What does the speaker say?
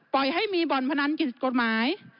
ให้มีบ่อนพนันกิจกฎหมาย